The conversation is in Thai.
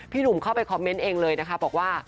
หนุ่มเข้าไปคอมเมนต์เองเลยนะคะบอกว่า